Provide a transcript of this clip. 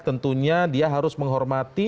tentunya dia harus menghormati